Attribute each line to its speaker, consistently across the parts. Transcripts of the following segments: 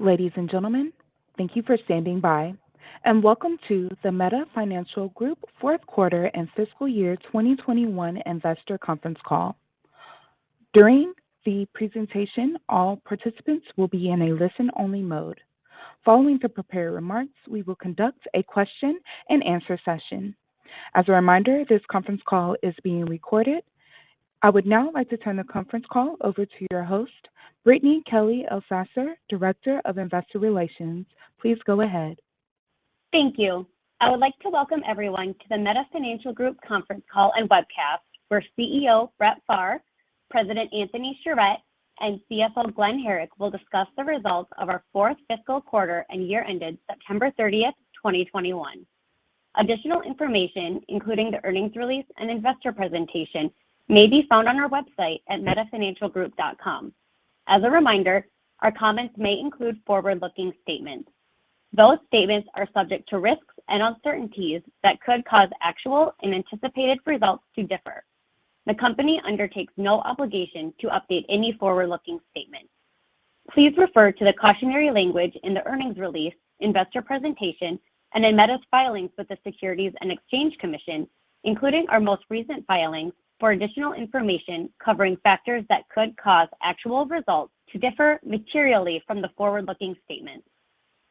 Speaker 1: Ladies and gentlemen, thank you for standing by, and welcome to the Meta Financial Group Fourth Quarter and Fiscal Year 2021 investor conference call. During the presentation, all participants will be in a listen-only mode. Following the prepared remarks, we will conduct a question and answer session. As a reminder, this conference call is being recorded. I would now like to turn the conference call over to your host, Brittany Kelley Elsasser, Director of Investor Relations. Please go ahead.
Speaker 2: Thank you. I would like to welcome everyone to the Meta Financial Group conference call and webcast, where CEO Brett Pharr, President Anthony Sharett, and CFO Glen Herrick will discuss the results of our fourth Fiscal quarter and year ended September 30, 2021. Additional information, including the earnings release and investor presentation, may be found on our website at metafinancialgroup.com. As a reminder, our comments may include forward-looking statements. Those statements are subject to risks and uncertainties that could cause actual and anticipated results to differ. The company undertakes no obligation to update any forward-looking statement. Please refer to the cautionary language in the earnings release, investor presentation, and in Meta's filings with the Securities and Exchange Commission, including our most recent filings for additional information covering factors that could cause actual results to differ materially from the forward-looking statements.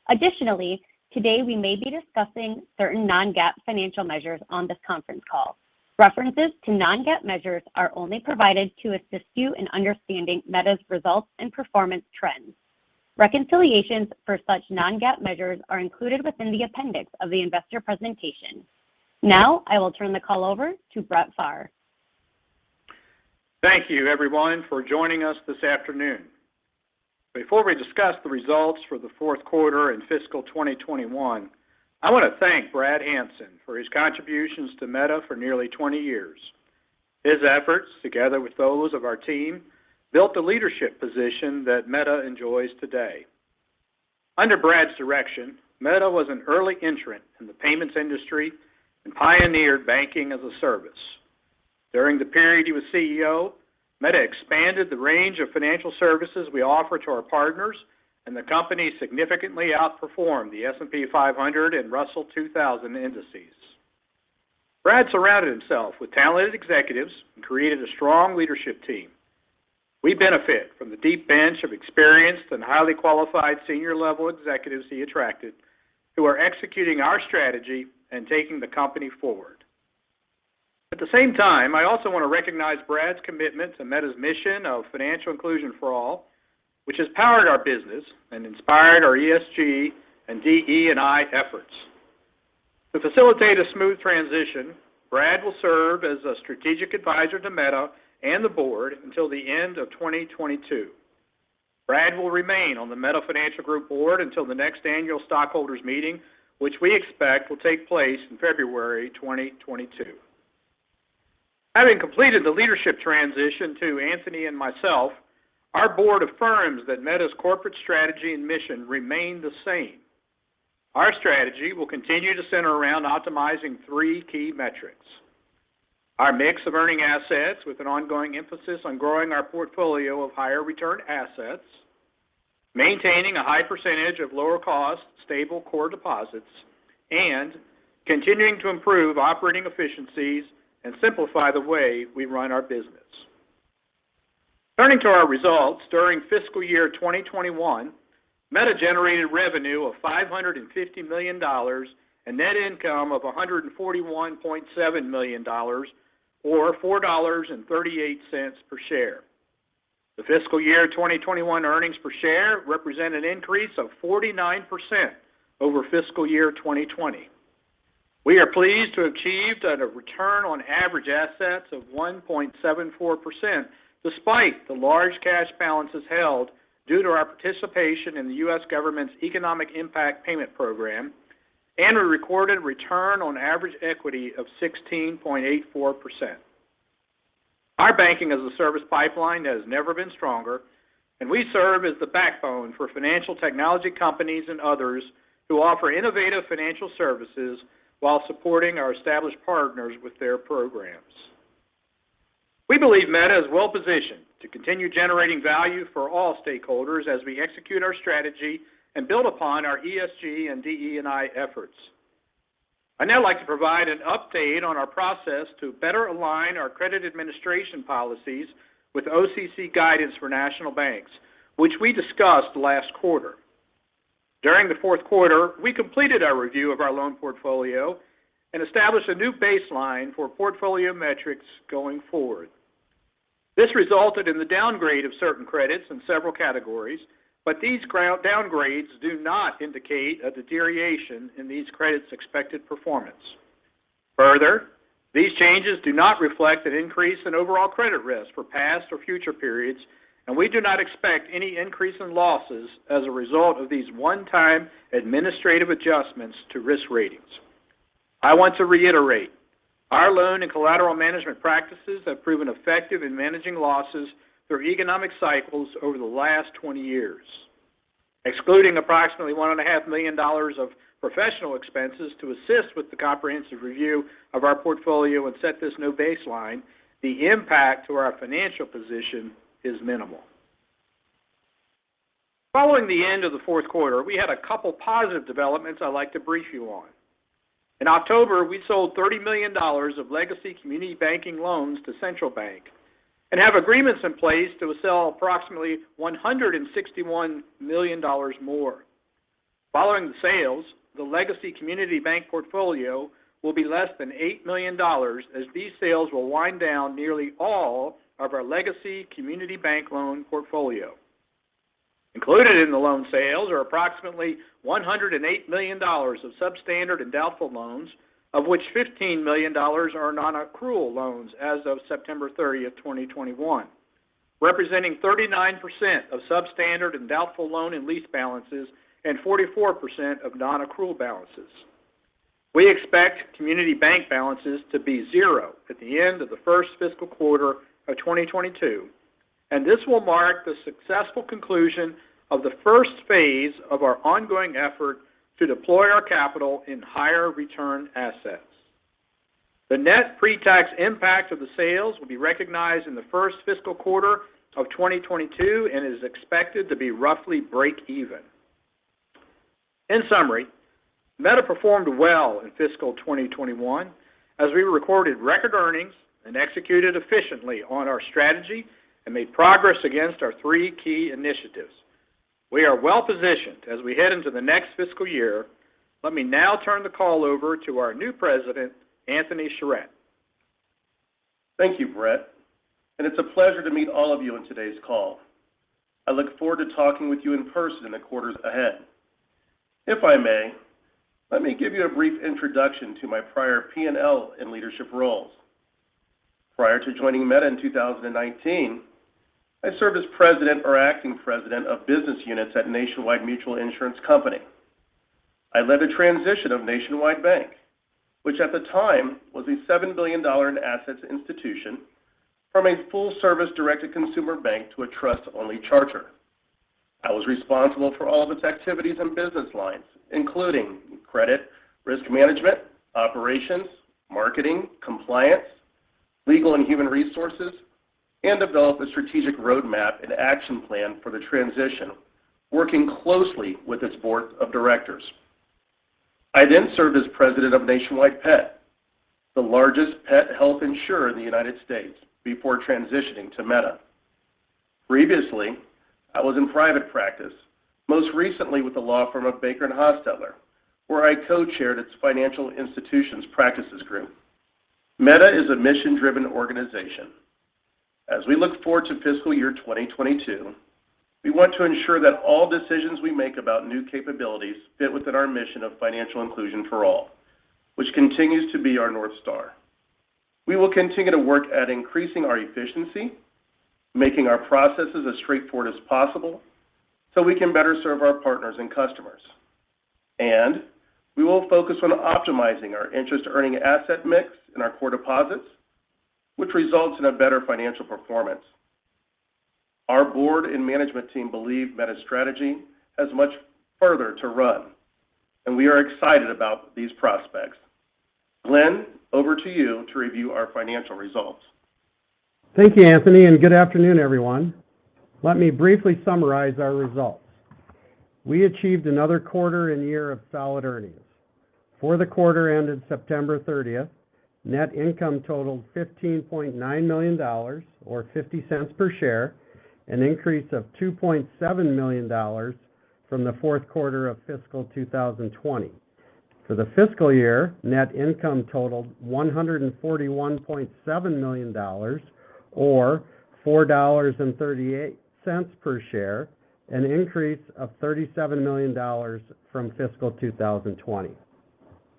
Speaker 2: Additionally, today we may be discussing certain non-GAAP financial measures on this conference call. References to non-GAAP measures are only provided to assist you in understanding Meta's results and performance trends. Reconciliations for such non-GAAP measures are included within the appendix of the investor presentation. Now, I will turn the call over to Brett Pharr.
Speaker 3: Thank you, everyone for joining us this afternoon. Before we discuss the results for the Fourth Quarter in Fiscal 2021, I want to thank Brad Hanson for his contributions to Meta for nearly 20 years. His efforts, together with those of our team, built the leadership position that Meta enjoys today. Under Brad's direction, Meta was an early entrant in the payments industry and pioneered banking-as-a-service. During the period he was CEO, Meta expanded the range of financial services we offer to our partners, and the company significantly outperformed the S&P 500 and Russell 2000 indices. Brad surrounded himself with talented executives and created a strong leadership team. We benefit from the deep bench of experienced and highly qualified senior-level executives he attracted who are executing our strategy and taking the company forward. At the same time, I also want to recognize Brad's commitment to Meta's mission of financial inclusion for all, which has powered our business and inspired our ESG and DE&I efforts. To facilitate a smooth transition, Brad will serve as a strategic advisor to Meta and the board until the end of 2022. Brad will remain on the Meta Financial Group board until the next annual stockholders' meeting, which we expect will take place in February 2022. Having completed the leadership transition to Anthony and myself, our board affirms that Meta's corporate strategy and mission remain the same. Our strategy will continue to center around optimizing three key metrics, our mix of earning assets with an ongoing emphasis on growing our portfolio of higher return assets, maintaining a high percentage of lower cost, stable core deposits. Continuing to improve operating efficiencies and simplify the way we run our business. Turning to our results during Fiscal Year 2021, Meta generated revenue of $550 million and net income of $141.7 million or $4.38 per share. The Fiscal Year 2021 earnings per share represent an increase of 49% over Fiscal Year 2020. We are pleased to have achieved a return on average assets of 1.74% despite the large cash balances held due to our participation in the U.S. government's Economic Impact Payment program, and we recorded return on average equity of 16.84%. Our banking-as-a-service pipeline has never been stronger, and we serve as the backbone for financial technology companies and others who offer innovative financial services while supporting our established partners with their programs. We believe Meta is well-positioned to continue generating value for all stakeholders as we execute our strategy and build upon our ESG and DE&I efforts. I'd now like to provide an update on our process to better align our credit administration policies with OCC guidance for national banks, which we discussed last quarter. During the Fourth Quarter, we completed our review of our loan portfolio and established a new baseline for portfolio metrics going forward. This resulted in the downgrade of certain credits in several categories, these downgrades do not indicate a deterioration in these credits' expected performance. Further, these changes do not reflect an increase in overall credit risk for past or future periods, and we do not expect any increase in losses as a result of these one-time administrative adjustments to risk ratings. I want to reiterate, our loan and collateral management practices have proven effective in managing losses through economic cycles over the last 20 years. Excluding approximately $1.5 million of professional expenses to assist with the comprehensive review of our portfolio and set this new baseline, the impact to our financial position is minimal. Following the end of the Fourth Quarter, we had a couple positive developments I'd like to brief you on. In October, we sold $30 million of legacy community banking loans to Central Bank and have agreements in place to sell approximately $161 million more. Following the sales, the legacy community bank portfolio will be less than $8 million, as these sales will wind down nearly all of our legacy community bank loan portfolio. Included in the loan sales are approximately $108 million of substandard and doubtful loans, of which $15 million are non-accrual loans as of September 30, 2021, representing 39% of substandard and doubtful loan and lease balances, and 44% of non-accrual balances. We expect community bank balances to be 0 at the end of the first Fiscal quarter of 2022, and this will mark the successful conclusion of the first phase of our ongoing effort to deploy our capital in higher return assets. The net pre-tax impact of the sales will be recognized in the First Fiscal Quarter of 2022 and is expected to be roughly break even. In summary, Meta performed well in Fiscal 2021 as we recorded record earnings and executed efficiently on our strategy and made progress against our three key initiatives. We are well-positioned as we head into the next Fiscal Year. Let me now turn the call over to our new President, Anthony Sharett.
Speaker 4: Thank you, Brett, and it's a pleasure to meet all of you on today's call. I look forward to talking with you in person in the quarters ahead. If I may, let me give you a brief introduction to my prior P&L and leadership roles. Prior to joining Meta in 2019, I served as president or acting president of business units at Nationwide Mutual Insurance Company. I led the transition of Nationwide Bank, which at the time was a $7 billion in assets institution, from a full-service direct-to-consumer bank to a trust-only charter. I was responsible for all of its activities and business lines, including credit, risk management, operations, marketing, compliance, legal and human resources, and developed a strategic roadmap and action plan for the transition, working closely with its board of directors. I then served as president of Nationwide Pet, the largest pet health insurer in the United States, before transitioning to Meta. Previously, I was in private practice, most recently with the law firm of BakerHostetler, where I co-chaired its financial institutions practices group. Meta is a mission-driven organization. As we look forward to Fiscal Year 2022, we want to ensure that all decisions we make about new capabilities fit within our mission of financial inclusion for all, which continues to be our North Star. We will continue to work at increasing our efficiency, making our processes as straightforward as possible so we can better serve our partners and customers. We will focus on optimizing our interest-earning asset mix in our core deposits, which results in a better financial performance. Our board and management team believe Meta's strategy has much further to run, and we are excited about these prospects. Glen, over to you to review our financial results.
Speaker 5: Thank you, Anthony, and good afternoon, everyone. Let me briefly summarize our results. We achieved another quarter and year of solid earnings. For the quarter ended September 30, net income totaled $15.9 million or $0.50 per share, an increase of $2.7 million from the Fourth Quarter of Fiscal 2020. For the Fiscal Year, net income totaled $141.7 million or $4.38 per share, an increase of $37 million from Fiscal 2020.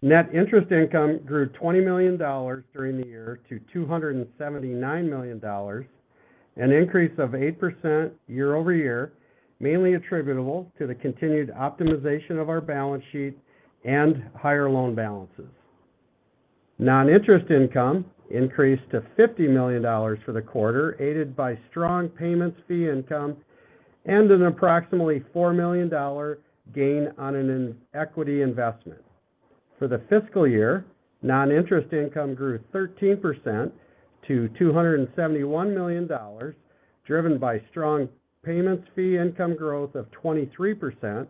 Speaker 5: Net interest income grew $20 million during the year to $279 million, an increase of 8% year-over-year, mainly attributable to the continued optimization of our balance sheet and higher loan balances. Non-interest income increased to $50 million for the quarter, aided by strong payments fee income and an approximately $4 million gain on an equity investment. For the Fiscal Year, non-interest income grew 13% - $271 million, driven by strong payments fee income growth of 23%,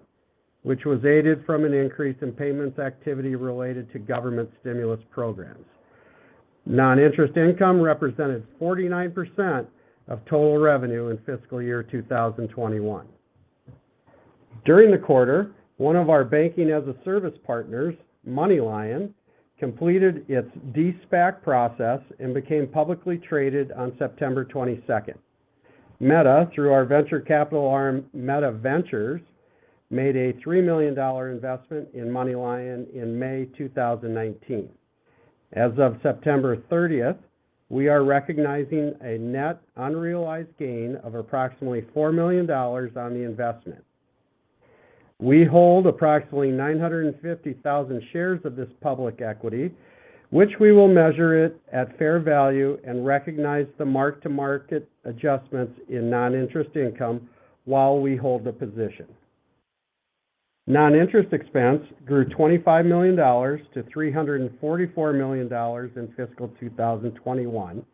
Speaker 5: which was aided from an increase in payments activity related to government stimulus programs. Non-interest income represented 49% of total revenue in Fiscal Year 2021. During the quarter, one of our Banking-as-a-Service partners, MoneyLion, completed its de-SPAC process and became publicly traded on September 22. Meta, through our venture capital arm, Meta Ventures, made a $3 million investment in MoneyLion in May 2019. As of September 30, we are recognizing a net unrealized gain of approximately $4 million on the investment. We hold approximately 950,000 shares of this public equity, which we will measure it at fair value and recognize the mark-to-market adjustments in non-interest income while we hold the position. Non-interest expense grew $25 million - $344 million in Fiscal 2021,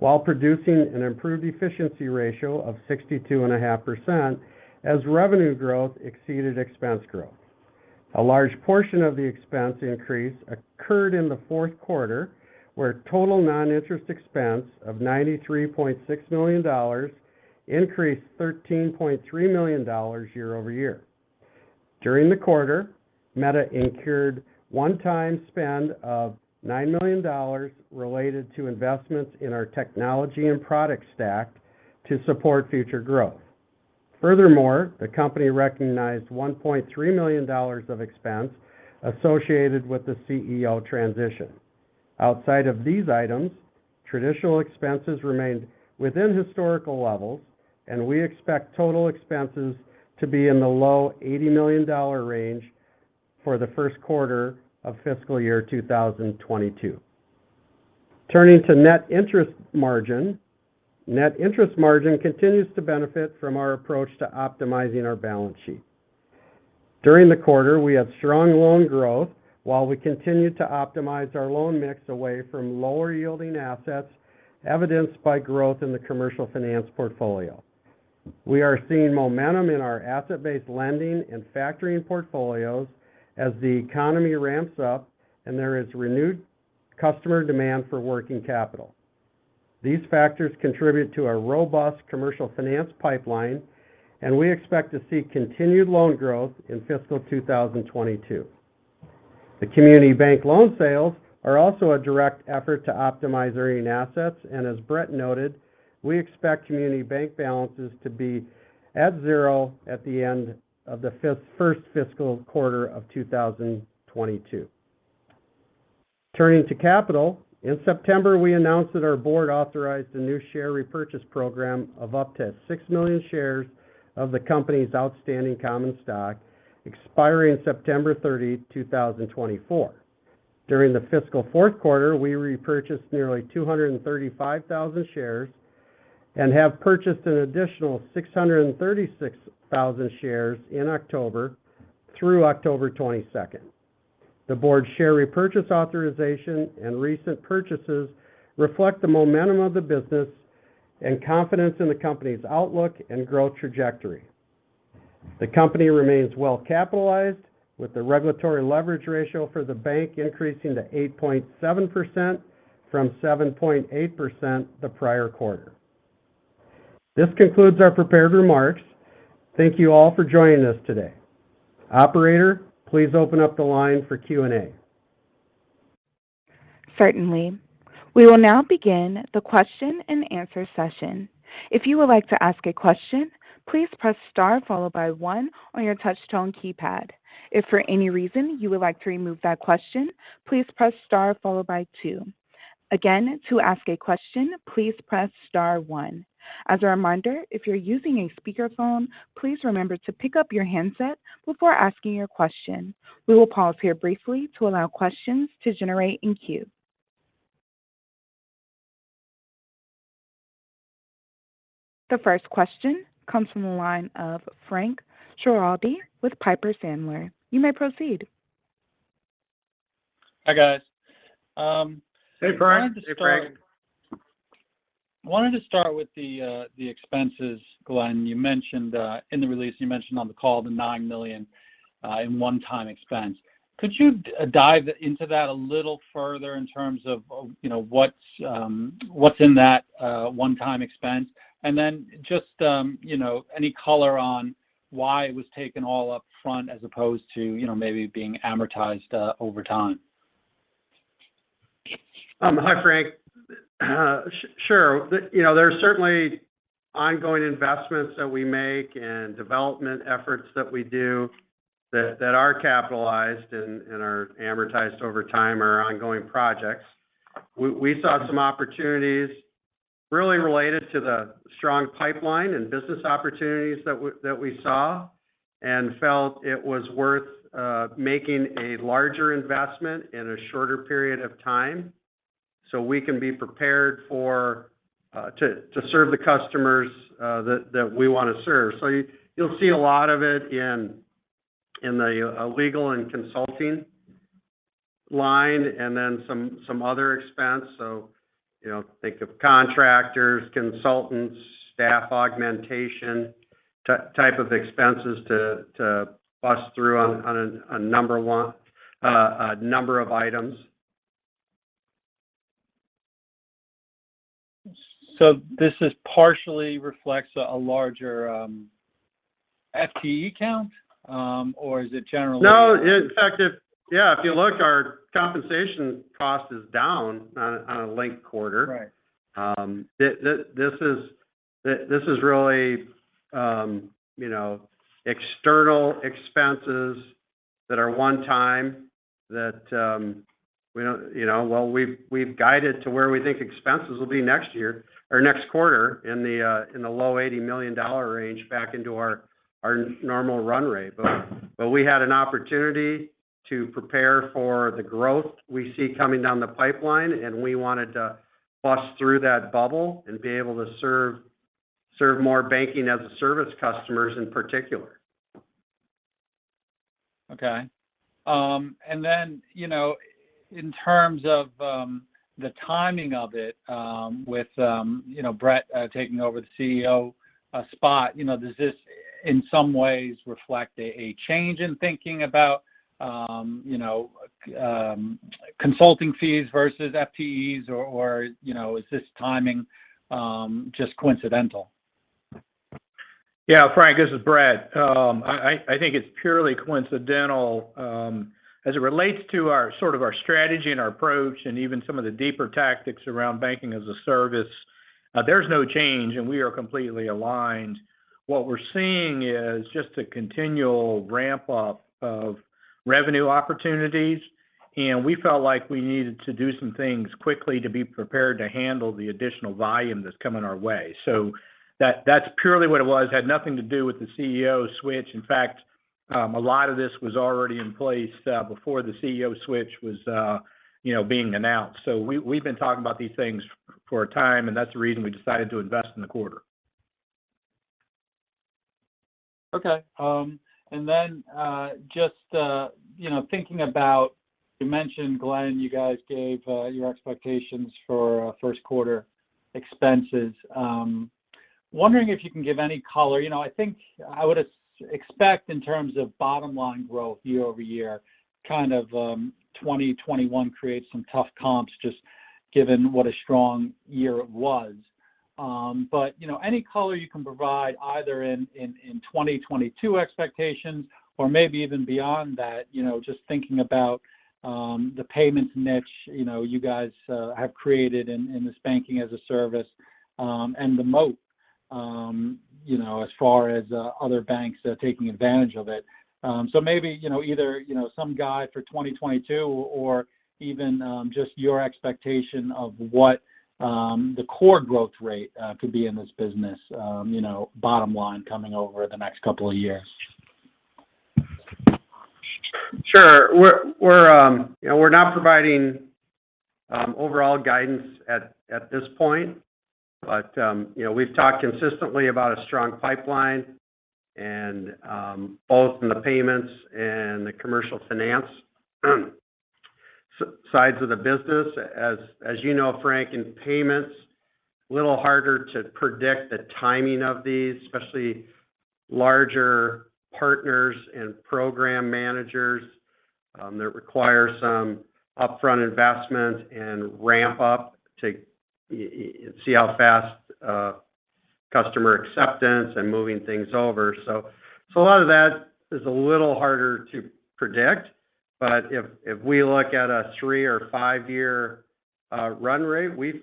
Speaker 5: while producing an improved efficiency ratio of 62.5% as revenue growth exceeded expense growth. A large portion of the expense increase occurred in the Fourth Quarter, where total non-interest expense of $93.6 million increased $13.3 million year-over-year. During the quarter, Meta incurred one-time spend of $9 million related to investments in our technology and product stack to support future growth. Furthermore, the company recognized $1.3 million of expense associated with the CEO transition. Outside of these items, traditional expenses remained within historical levels, and we expect total expenses to be in the low $80 million range for the First Quarter of Fiscal Year 2022. Turning to net interest margin. Net interest margin continues to benefit from our approach to optimizing our balance sheet. During the quarter, we have strong loan growth while we continue to optimize our loan mix away from lower yielding assets, evidenced by growth in the Commercial Finance portfolio. We are seeing momentum in our asset-based lending and factoring portfolios as the economy ramps up and there is renewed customer demand for working capital. These factors contribute to our robust Commercial Finance pipeline, and we expect to see continued loan growth in Fiscal 2022. The community bank loan sales are also a direct effort to optimize earning assets, and as Brett noted, we expect community bank balances to be at zero at the end of the first Fiscal Quarter of 2022. Turning to capital. In September, we announced that our board authorized a new share repurchase program of up to 6 million shares of the company's outstanding common stock, expiring September 30, 2024. During the Fiscal Fourth Quarter, we repurchased nearly 235,000 shares and have purchased an additional 636,000 shares in October through October 22. The board share repurchase authorization and recent purchases reflect the momentum of the business and confidence in the company's outlook and growth trajectory. The company remains well capitalized, with the regulatory leverage ratio for the bank increasing to 8.7% from 7.8% the prior quarter. This concludes our prepared remarks. Thank you all for joining us today. Operator, please open up the line for Q&A.
Speaker 1: Certainly. We will now begin the question and answer session. If you would like to ask a question, please press star followed by one on your touch tone keypad. If for any reason you would like to remove that question, please press star followed by two. Again, to ask a question, please press star one. As a reminder, if you're using a speakerphone, please remember to pick up your handset before asking your question. We will pause here briefly to allow questions to generate in queue. The first question comes from the line of Frank Schiraldi with Piper Sandler. You may proceed.
Speaker 6: Hi, guys. I wanted to start with the expenses, Glen. You mentioned in the release on the call the $9 million in one-time expense. Could you dive into that a little further in terms of, you know, what's in that one-time expense? Just, you know, any color on why it was taken all up front as opposed to, you know, maybe being amortized over time?
Speaker 5: Hi, Frank. Sure. You know, there are certainly ongoing investments that we make and development efforts that we do that are capitalized and are amortized over time are ongoing projects. We saw some opportunities really related to the strong pipeline and business opportunities that we saw and felt it was worth making a larger investment in a shorter period of time so we can be prepared for to serve the customers that we wanna serve. You'll see a lot of it in the legal and consulting line and then some other expense. You know, think of contractors, consultants, staff augmentation type of expenses to bust through on a number of items.
Speaker 6: This is partially reflects a larger FTE count, or is it generally-
Speaker 5: No, in fact, yeah, if you look, our compensation cost is down on a linked quarter.
Speaker 6: Right.
Speaker 5: This is really, you know, external expenses that are one time that we don't, you know. We've guided to where we think expenses will be next year or next quarter in the low $80 million range back into our normal run rate. We had an opportunity to prepare for the growth we see coming down the pipeline, and we wanted to bust through that bubble and be able to serve more Banking-as-a-Service customers in particular.
Speaker 6: Okay. You know, in terms of the timing of it, with you know, Brett taking over the CEO spot, you know, does this in some ways reflect a change in thinking about you know, consulting fees versus FTEs or you know, is this timing just coincidental?
Speaker 3: Yeah. Frank, this is Brett. I think it's purely coincidental. As it relates to our sort of strategy and our approach and even some of the deeper tactics around Banking-as-a-Service, there's no change, and we are completely aligned. What we're seeing is just a continual ramp up of revenue opportunities, and we felt like we needed to do some things quickly to be prepared to handle the additional volume that's coming our way. That's purely what it was. It had nothing to do with the CEO switch. In fact, a lot of this was already in place before the CEO switch was, you know, being announced. We've been talking about these things for a time, and that's the reason we decided to invest in the quarter.
Speaker 6: Okay. Just, you know, thinking about, you mentioned, Glen, you guys gave your expectations for First Quarter expenses. Wondering if you can give any color. You know, I think I would expect in terms of bottom line growth year-over-year, kind of, 2021 creates some tough comps just given what a strong year it was. You know, any color you can provide either in 2022 expectations or maybe even beyond that. You know, just thinking about the payments niche, you know, you guys have created in this banking-as-a-service and the moat, you know, as far as other banks taking advantage of it. Maybe, you know, either, you know, some guide for 2022 or even just your expectation of what the core growth rate could be in this business, you know, bottom line coming over the next couple of years.
Speaker 5: Sure. We're you know, we're not providing overall guidance at this point, but you know, we've talked consistently about a strong pipeline and both in the payments and the Commercial Finance sides of the business. As you know, Frank, in payments, a little harder to predict the timing of these, especially larger partners and program managers that require some upfront investment and ramp up to see how fast customer acceptance and moving things over. So a lot of that is a little harder to predict. But if we look at a 3- or 5-year run rate, we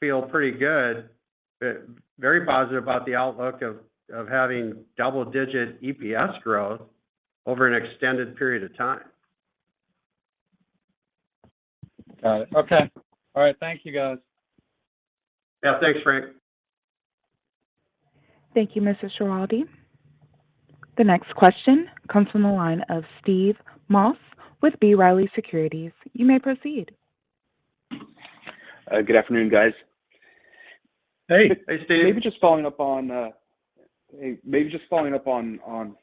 Speaker 5: feel pretty good very positive about the outlook of having double-digit EPS growth over an extended period of time.
Speaker 6: Got it. Okay. All right. Thank you, guys.
Speaker 5: Yeah. Thanks, Frank.
Speaker 1: Thank you, Mr. Schiraldi. The next question comes from the line of Steve Moss with B. Riley Securities. You may proceed.
Speaker 7: Good afternoon, guys. Maybe just following up on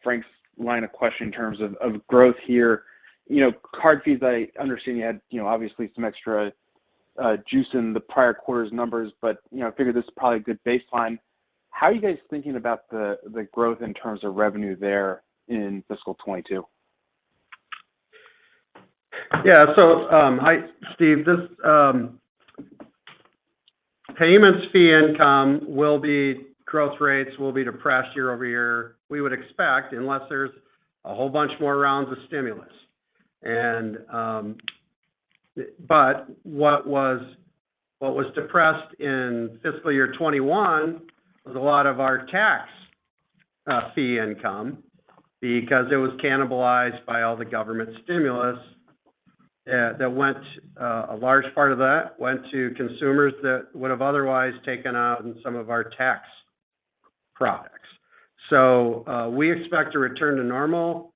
Speaker 7: Frank's line of questioning in terms of growth here. You know, card fees, I understand you had, you know, obviously some extra juice in the prior quarter's numbers, but, you know, I figure this is probably a good baseline. How are you guys thinking about the growth in terms of revenue there in Fiscal 2022?
Speaker 5: Hi, Steve. Payments fee income growth rates will be depressed year-over-year, we would expect, unless there's a whole bunch more rounds of stimulus. What was depressed in Fiscal Year 2021 was a lot of our tax fee income because it was cannibalized by all the government stimulus, a large part of that went to consumers that would have otherwise taken out in some of our tax products. We expect to return to normal.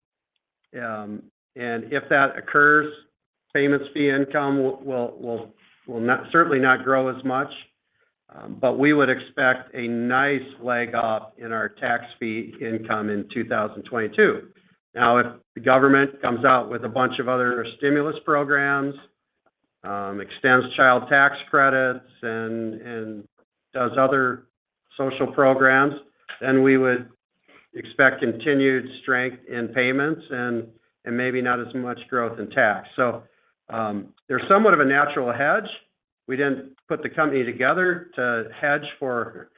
Speaker 5: If that occurs, payments fee income will certainly not grow as much, but we would expect a nice leg up in our tax fee income in 2022. Now, if the government comes out with a bunch of other stimulus programs, extends child tax credits and does other social programs, then we would expect continued strength in payments and maybe not as much growth in tax. They're somewhat of a natural hedge. We didn't put the company together to hedge for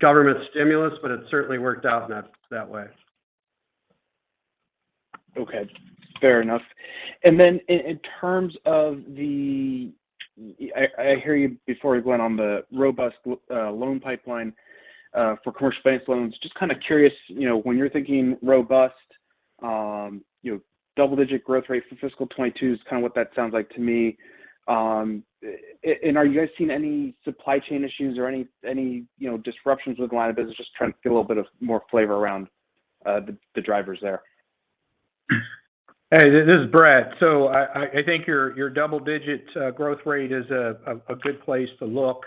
Speaker 5: government stimulus, but it certainly worked out in that way.
Speaker 7: Okay. Fair enough. In terms of the, I hear you before you went on the robust loan pipeline for commercial bank loans. Just kind of curious, you know, when you're thinking robust, you know, double-digit growth rate for Fiscal 2022 is kind of what that sounds like to me. And are you guys seeing any supply chain issues or any, you know, disruptions with the line of business? Just trying to get a little bit more flavor around, the drivers there.
Speaker 3: Hey, this is Brett. I think your double-digit growth rate is a good place to look.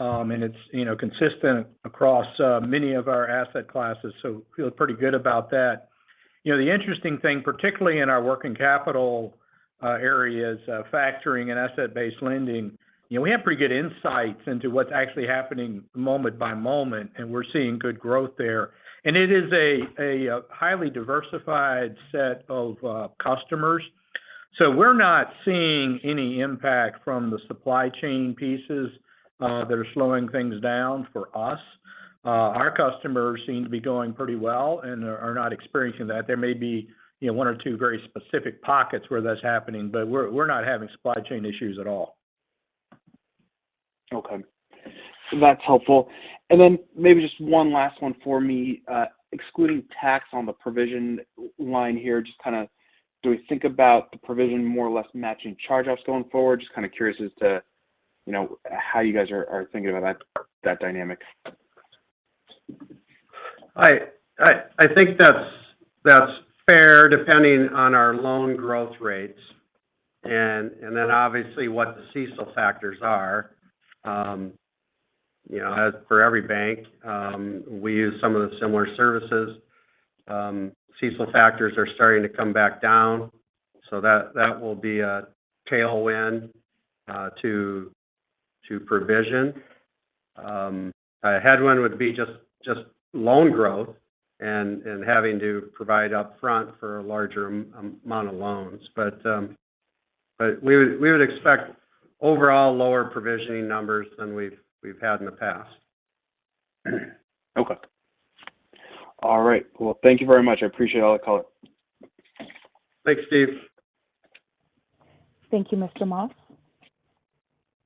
Speaker 3: It's you know consistent across many of our asset classes, so feel pretty good about that. You know, the interesting thing, particularly in our working capital areas, factoring and asset-based lending, you know, we have pretty good insights into what's actually happening moment by moment, and we're seeing good growth there. It is a highly diversified set of customers. We're not seeing any impact from the supply chain pieces that are slowing things down for us. Our customers seem to be doing pretty well and are not experiencing that. There may be you know one or two very specific pockets where that's happening, but we're not having supply chain issues at all.
Speaker 7: Okay. That's helpful. Then maybe just one last one for me. Excluding tax on the provision line here, just kind of do we think about the provision more or less matching charge-offs going forward? Just kind of curious as to, you know, how you guys are thinking about that dynamic.
Speaker 5: I think that's fair depending on our loan growth rates and then obviously what the CECL factors are. You know, as for every bank, we use some of the similar services. CECL factors are starting to come back down, so that will be a tailwind to provision. A headwind would be just loan growth and having to provide up front for a larger amount of loans. We would expect overall lower provisioning numbers than we've had in the past.
Speaker 7: Okay. All right. Well, thank you very much. I appreciate all the color.
Speaker 5: Thanks, Steve.
Speaker 1: Thank you, Mr. Moss.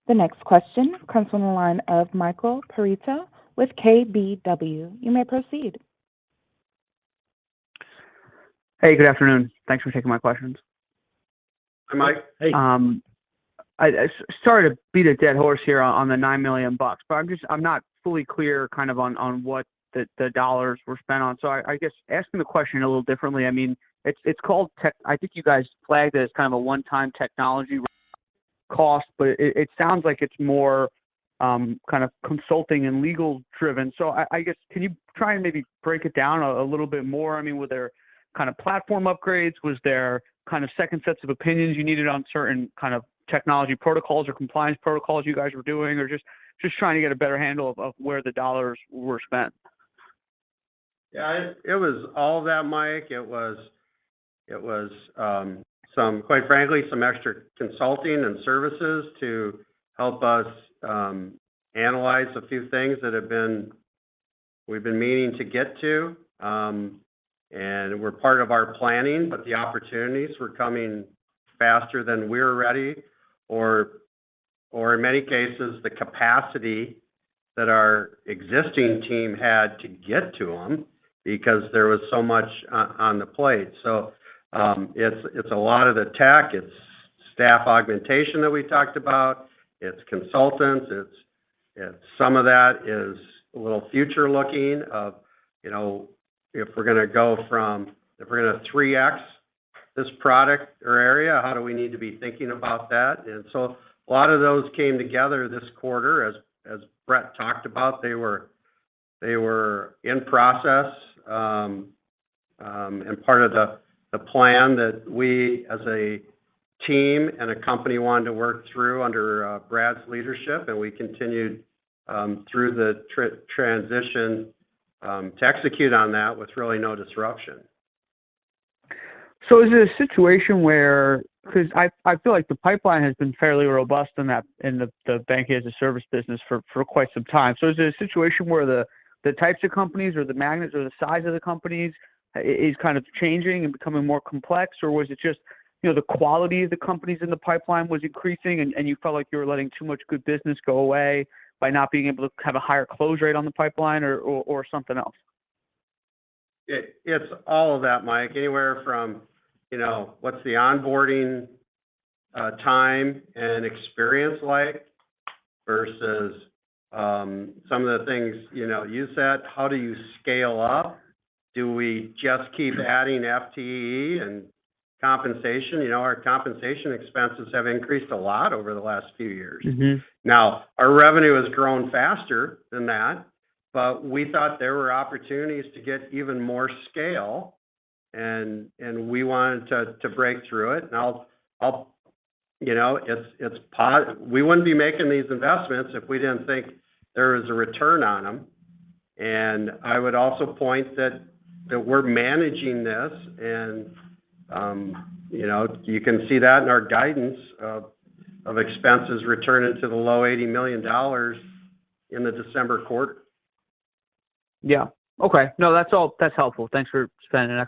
Speaker 1: The next question comes from the line of Michael Perito with KBW. You may proceed.
Speaker 8: Hey, good afternoon. Thanks for taking my questions. Sorry to beat a dead horse here on the $9 million, but I'm just not fully clear kind of on what the dollars were spent on. I'm asking the question a little differently. I mean, it's called tech. I think you guys flagged it as kind of a one-time technology cost, but it sounds like it's more kind of consulting and legal driven. I guess can you try and maybe break it down a little bit more? I mean, were there kind of platform upgrades? Was there kind of second sets of opinions you needed on certain kind of technology protocols or compliance protocols you guys were doing? Just trying to get a better handle of where the dollars were spent.
Speaker 5: Yeah, it was all that, Mike. It was quite frankly some extra consulting and services to help us analyze a few things we've been meaning to get to and were part of our planning. The opportunities were coming faster than we were ready, or in many cases, the capacity that our existing team had to get to them because there was so much on the plate. It's a lot of the tech. It's staff augmentation that we talked about. It's consultants. It's some of that is a little future-looking of, you know, if we're gonna 3x this product or area, how do we need to be thinking about that? A lot of those came together this quarter, as Brett talked about. They were in process and part of the plan that we as a team and a company wanted to work through under Brad's leadership. We continued through the transition to execute on that with really no disruption.
Speaker 8: Is it a situation where, 'cause I feel like the pipeline has been fairly robust in that, in the bank as a service business for quite some time. Is it a situation where the types of companies or the markets or the size of the companies is kind of changing and becoming more complex? Or was it just, you know, the quality of the companies in the pipeline was increasing and you felt like you were letting too much good business go away by not being able to have a higher close rate on the pipeline or something else?
Speaker 5: It's all of that, Mike. Anywhere from, you know, what's the onboarding time and experience like versus some of the things, you know, you said, how do you scale up? Do we just keep adding FTE and compensation? You know, our compensation expenses have increased a lot over the last few years. Now, our revenue has grown faster than that, but we thought there were opportunities to get even more scale and we wanted to break through it. You know, we wouldn't be making these investments if we didn't think there was a return on them. I would also point out that we're managing this and you know, you can see that in our guidance of expenses returning to the low $80 million in the December quarter.
Speaker 8: Yeah. Okay. No, that's helpful. Thanks for spending an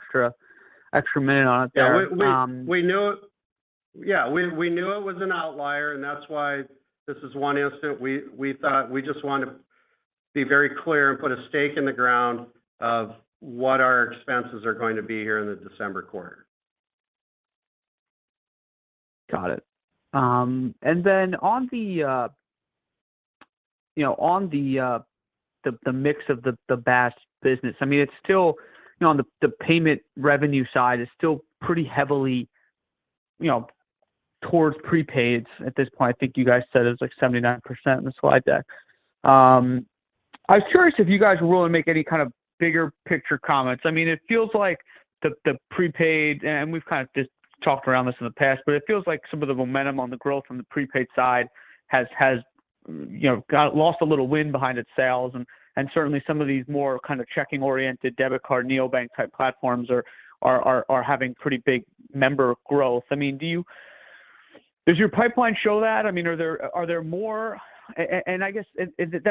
Speaker 8: extra minute on it there.
Speaker 3: Yeah, we knew it was an outlier, and that's why this is one instance we thought we just want to be very clear and put a stake in the ground of what our expenses are going to be here in the December quarter.
Speaker 8: Got it. And then on the mix of the BaaS business, I mean, it's still on the payment revenue side, it's still pretty heavily towards prepaids at this point. I think you guys said it was like 79% in the slide deck. I was curious if you guys were willing to make any kind of bigger picture comments. I mean, it feels like the prepaid, and we've kind of just talked around this in the past, but it feels like some of the momentum on the growth from the prepaid side has lost a little wind behind its sails. Certainly some of these more kind of checking-oriented debit card, neobank-type platforms are having pretty big member growth. I mean, does your pipeline show that? I mean, are there more, and I guess, is it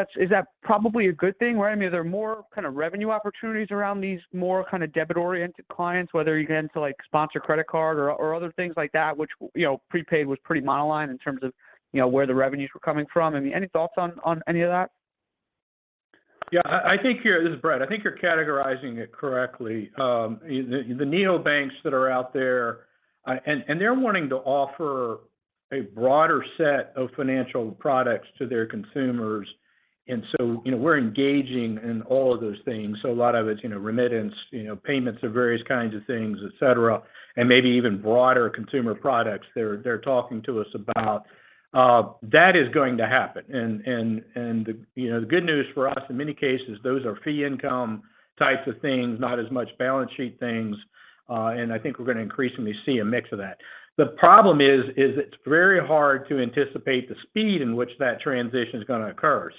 Speaker 8: probably a good thing, right? I mean, are there more kind of revenue opportunities around these more kind of debit-oriented clients, whether you get into like sponsored credit card or other things like that, which you know, prepaid was pretty monoline in terms of, you know, where the revenues were coming from. I mean, any thoughts on any of that?
Speaker 3: Yeah. This is Brett. I think you're categorizing it correctly. The neobanks that are out there and they're wanting to offer a broader set of financial products to their consumers. You know, we're engaging in all of those things. A lot of it's, you know, remittance, you know, payments of various kinds of things, et cetera, and maybe even broader consumer products they're talking to us about. That is going to happen. You know, the good news for us in many cases, those are fee income types of things, not as much balance sheet things. And I think we're gonna increasingly see a mix of that. The problem is, it's very hard to anticipate the speed in which that transition is gonna occur.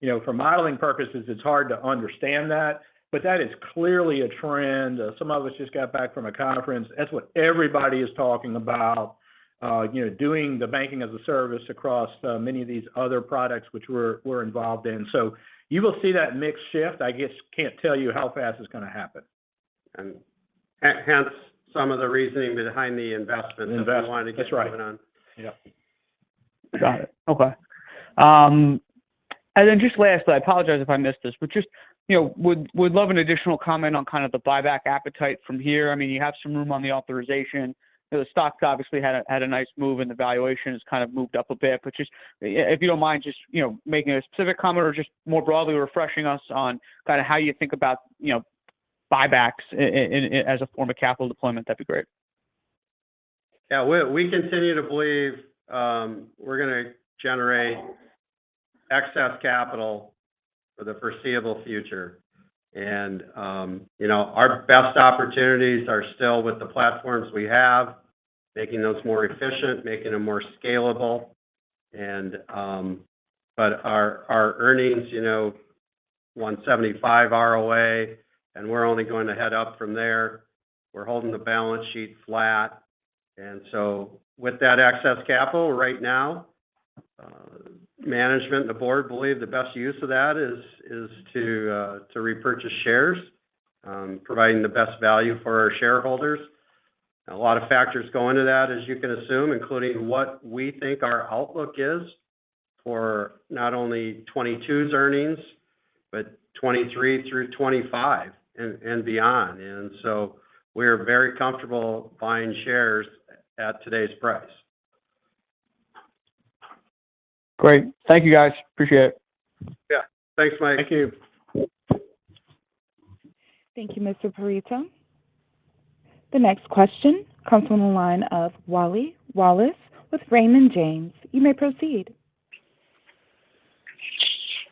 Speaker 3: You know, for modeling purposes, it's hard to understand that, but that is clearly a trend. Some of us just got back from a conference. That's what everybody is talking about, you know, doing the banking as a service across, many of these other products which we're involved in. You will see that mix shift. I guess, can't tell you how fast it's gonna happen.
Speaker 5: Hence some of the reasoning behind the investment.
Speaker 3: Investment. That's right.
Speaker 5: that we wanna get going on.
Speaker 3: Yeah.
Speaker 8: Got it. Okay. Just lastly, I apologize if I missed this, but just, you know, would love an additional comment on kind of the buyback appetite from here. I mean, you have some room on the authorization. You know, the stock's obviously had a nice move, and the valuation has kind of moved up a bit. If you don't mind just, you know, making a specific comment or just more broadly refreshing us on kind of how you think about, you know, buybacks as a form of capital deployment, that'd be great.
Speaker 3: We continue to believe we're gonna generate excess capital for the foreseeable future. You know, our best opportunities are still with the platforms we have, making those more efficient, making them more scalable. But our earnings, you know, 1.75 ROA, and we're only going to head up from there. We're holding the balance sheet flat. With that excess capital right now, management and the board believe the best use of that is to repurchase shares, providing the best value for our shareholders. A lot of factors go into that, as you can assume, including what we think our outlook is for not only 2022's earnings, but 2023 through 2025 and beyond. We're very comfortable buying shares at today's price.
Speaker 8: Great. Thank you, guys. Appreciate it.
Speaker 3: Yeah. Thanks, Mike.
Speaker 5: Thank you.
Speaker 1: Thank you, Mr. Perito. The next question comes from the line of William Wallace with Raymond James. You may proceed.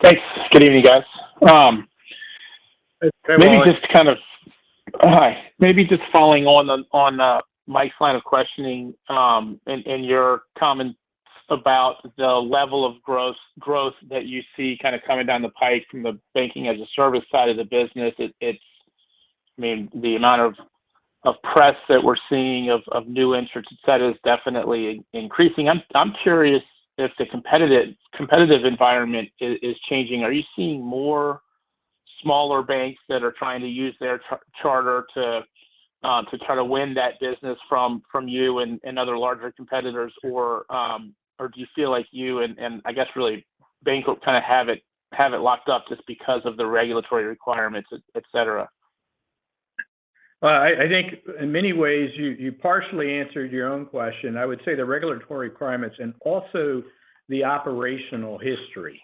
Speaker 9: Thanks. Good evening, guys.
Speaker 3: Hey, Wally.
Speaker 9: Maybe just following on Mike's line of questioning and your comments about the level of growth that you see kind of coming down the pike from the banking as a service side of the business. I mean, the amount of press that we're seeing of new entrants, et cetera, is definitely increasing. I'm curious if the competitive environment is changing. Are you seeing more smaller banks that are trying to use their charter to try to win that business from you and other larger competitors or do you feel like you and I guess really Bancorp kind of have it locked up just because of the regulatory requirements, et cetera?
Speaker 3: Well, I think in many ways you partially answered your own question. I would say the regulatory requirements and also the operational history.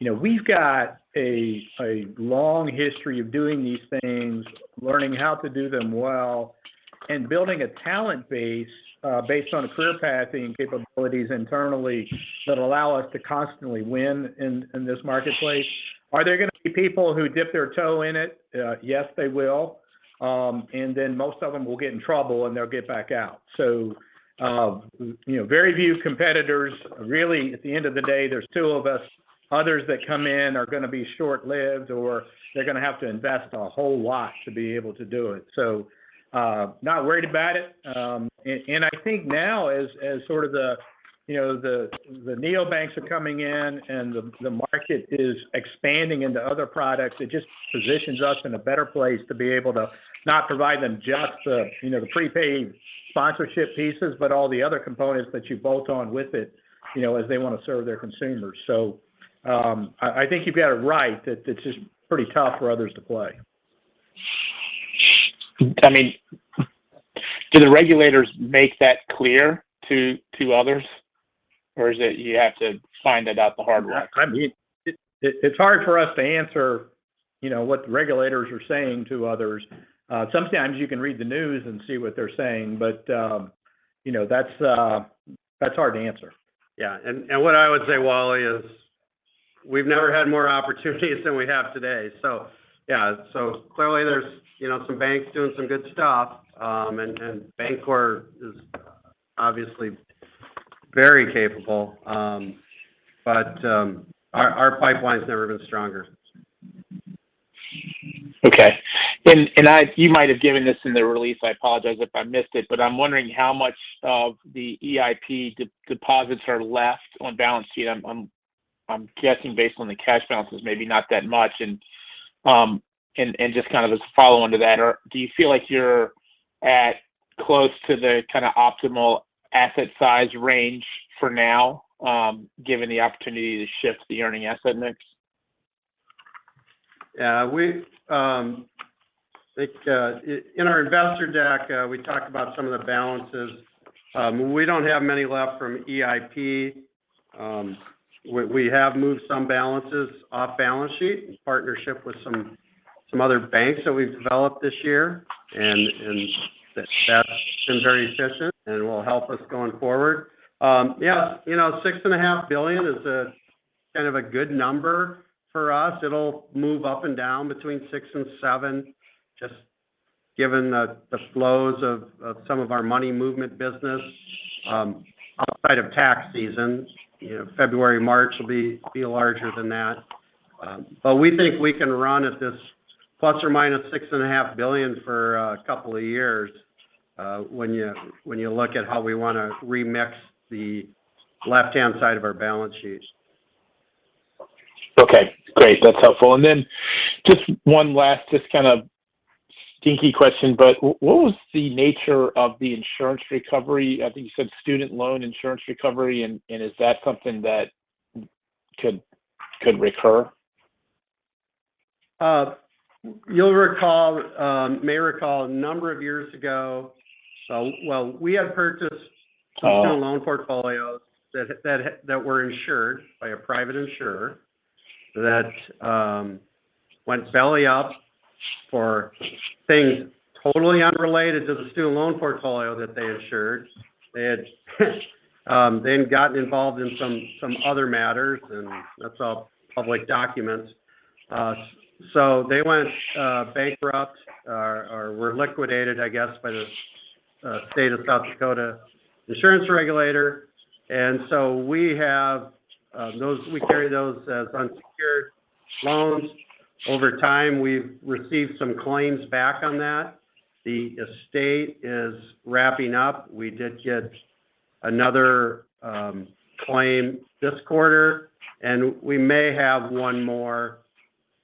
Speaker 3: You know, we've got a long history of doing these things, learning how to do them well, and building a talent base based on career pathing and capabilities internally that allow us to constantly win in this marketplace. Are there gonna be people who dip their toe in it? Yes, they will. Most of them will get in trouble, and they'll get back out. You know, very few competitors. Really, at the end of the day, there's two of us. Others that come in are gonna be short-lived, or they're gonna have to invest a whole lot to be able to do it. Not worried about it. I think now as sort of you know the neobanks are coming in, and the market is expanding into other products. It just positions us in a better place to be able to not provide them just the, you know, the prepaid sponsorship pieces, but all the other components that you bolt on with it, you know, as they wanna serve their consumers. I think you've got it right that it's just pretty tough for others to play.
Speaker 9: I mean, do the regulators make that clear to others, or is it you have to find it out the hard way?
Speaker 3: I mean, it's hard for us to answer, you know, what the regulators are saying to others. Sometimes you can read the news and see what they're saying, but you know, that's hard to answer.
Speaker 5: Yeah. What I would say, Wally, is we've never had more opportunities than we have today. Yeah, clearly there's, you know, some banks doing some good stuff, and Bancorp is obviously very capable. Our pipeline's never been stronger.
Speaker 9: Okay. You might have given this in the release. I apologize if I missed it, but I'm wondering how much of the EIP deposits are left on balance sheet. I'm guessing based on the cash balances, maybe not that much. Just kind of as a follow-on to that, or do you feel like you're at close to the kind of optimal asset size range for now, given the opportunity to shift the earning asset mix?
Speaker 5: Yeah. I think in our investor deck we talked about some of the balances. We don't have many left from EIP. We have moved some balances off balance sheet in partnership with some other banks that we've developed this year. That's been very efficient and will help us going forward. Yeah, you know, $6.5 billion is a kind of a good number for us. It'll move up and down between $6 billion and $7 billion, just given the flows of some of our money movement business. Outside of tax season, you know, February, March will be larger than that. We think we can run at this ±$6.5 billion for a couple of years, when you look at how we wanna remix the left-hand side of our balance sheets.
Speaker 9: Okay, great. That's helpful. Just one last kind of stinky question, but what was the nature of the insurance recovery? I think you said student loan insurance recovery and is that something that could recur?
Speaker 5: You'll recall a number of years ago, so while we had purchased student loan portfolios that were insured by a private insurer that went belly up for things totally unrelated to the student loan portfolio that they insured. They had gotten involved in some other matters, and that's all public documents. They went bankrupt or were liquidated, I guess, by the state of South Dakota insurance regulator. We have those. We carry those as unsecured loans. Over time, we've received some claims back on that. The estate is wrapping up. We did get another claim this quarter, and we may have one more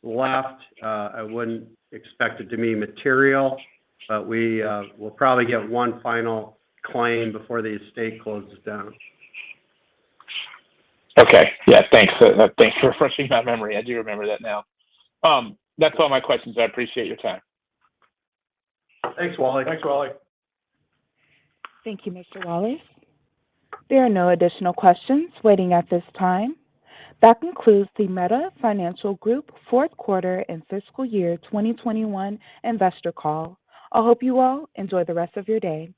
Speaker 5: left. I wouldn't expect it to be material, but we will probably get one final claim before the estate closes down.
Speaker 9: Okay. Yeah, thanks for refreshing my memory. I do remember that now. That's all my questions. I appreciate your time.
Speaker 1: Thank you, Mr. Wallace. There are no additional questions waiting at this time. That concludes the Meta Financial Group Fourth Quarter and Fiscal Year 2021 investor call. I hope you all enjoy the rest of your day.